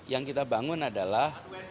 yang kita bangun adalah